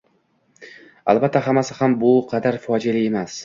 Albatta, hammasi ham bu qadar fojeali emas